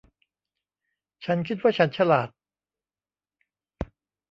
ฉันคิดว่าฉันฉลาด